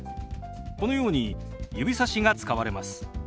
このように指さしが使われます。